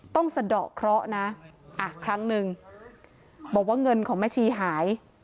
สะดอกเคราะห์นะครั้งหนึ่งบอกว่าเงินของแม่ชีหาย